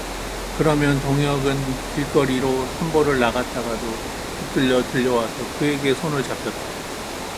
그러면 동혁은 길거리로 산보를 나갔다가도 붙들려 들어와서 그에게 손을 잡혔다.